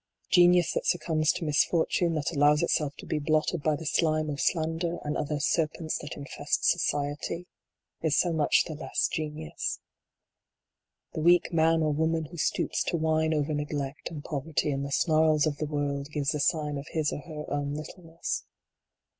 Genius that succumbs to misfortune, that allows itself to be blotted by the slime of slander and other serpents that infest society is so much the less genius. The weak man or woman who stoops to whine over neglect, and poverty, and the snarls of the world, gives the sign of his or her own littleness.